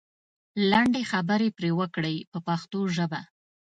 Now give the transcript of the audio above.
لنډې خبرې پرې وکړئ په پښتو ژبه.